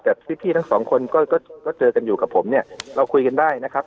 แต่พี่ทั้งสองคนก็ก็เจอกันอยู่กับผมเนี่ยเราคุยกันได้นะครับ